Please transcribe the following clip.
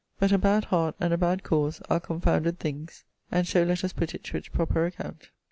But a bad heart, and a bad cause are confounded things: and so let us put it to its proper account.